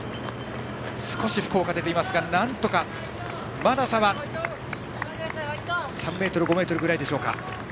少し福岡が出ているがまだ差は３ｍ、５ｍぐらいでしょうか。